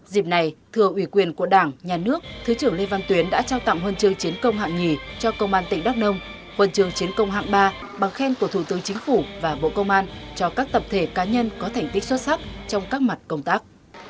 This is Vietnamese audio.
dịp này thưa ủy quyền của đảng nhà nước thứ trưởng lê văn tuyến đã trao tặng huân chương chiến công hạng nhì cho công an tỉnh đắk nông huần trường chiến công hạng ba bằng khen của thủ tướng chính phủ và bộ công an cho các tập thể cá nhân có thành tích xuất sắc trong các mặt công tác